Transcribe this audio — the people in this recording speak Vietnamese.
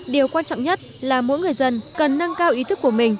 điều quan trọng nhất là mỗi người dân cần nâng cao ý thức của mình